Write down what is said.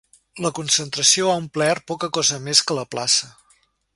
La concentració ha omplert poca cosa més que la plaça.